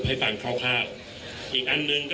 คุณผู้ชมไปฟังผู้ว่ารัฐกาลจังหวัดเชียงรายแถลงตอนนี้ค่ะ